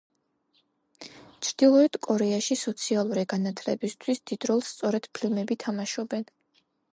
ჩრდილოეთ კორეაში სოციალური განათლებისთვის დიდ როლს სწორედ ფილმები თამაშობენ.